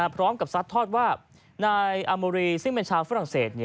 พร้อมกับสัจทอดว่านายอามูเรียซึ่งเป็นชาวฝรั่งเศส